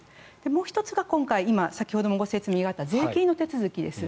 もう１つが今回先ほどもご説明があった税金の手続きです。